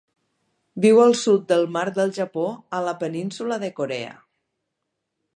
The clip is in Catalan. Viu al sud del mar del Japó a la península de Corea.